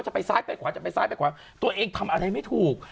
จะไปซ้ายไปขวาจะไปซ้ายไปขวาตัวเองทำอะไรไม่ถูก